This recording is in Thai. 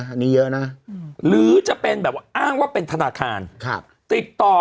อันนี้เยอะนะหรือจะเป็นแบบว่าอ้างว่าเป็นธนาคารติดต่อ